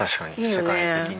世界的に。